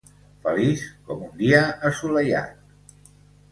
Feliç com un dia assolellat.